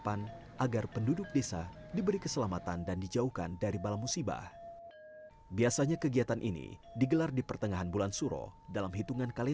pertunjukan kesenian tradisional di malam hari